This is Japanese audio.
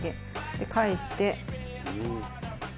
で返して。